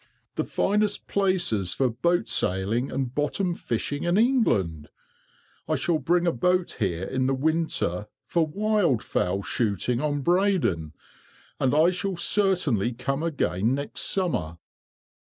"The finest places for boat sailing and bottom fishing in England. I shall bring a boat here in the winter for wild fowl shooting on Breydon, and I shall certainly come again next summer."